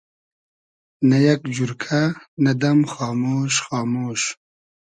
نۂ یئگ جورکۂ, نۂ دئم خامۉش خامۉش